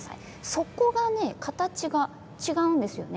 底の形が違うんですよね。